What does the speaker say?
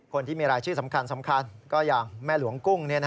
คนที่มีรายชื่อสำคัญก็อย่างแม่หลวงกุ้ง